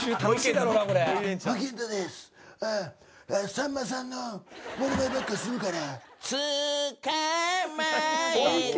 さんまさんのものまねばっかするから。